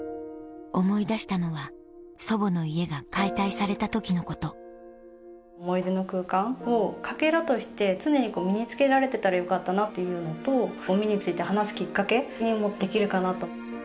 思い出したのは祖母の家が解体された時のこと思い出の空間をかけらとして常に身に着けられてたらよかったなっていうのとゴミについて話すキッカケにもできるかなと。